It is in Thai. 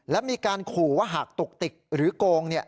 และมีการขู่ว่าหากตุกติกหรือโกง